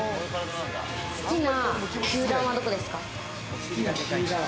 好きな球団は、どこですか？